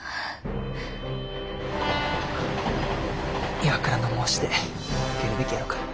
岩倉の申し出受けるべきやろか？